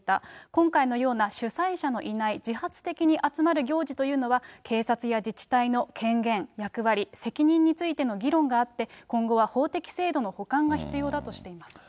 今回のような主催者のいない自発的に集まる行事というのは、警察や自治体の権限、役割、責任についての議論があって、今後は法的制度の補完が必要だとしています。